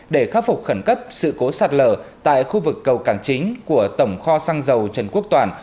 để khắc phục khẩn cấp sự cố sạt lở tại khu vực cầu cảng chính của tổng kho xăng dầu trần quốc toàn